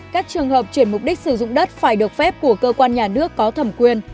các trường hợp chuyển mục đích sử dụng đất phải được phép của cơ quan nhà nước có thẩm quyền